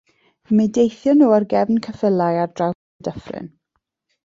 Mi deithion nhw ar gefn ceffylau ar draws y dyffryn.